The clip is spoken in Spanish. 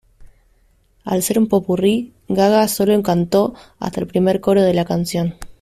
Al ser un popurrí, Gaga solo cantó hasta el primer coro de la canción.